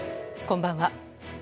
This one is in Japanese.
こんばんは。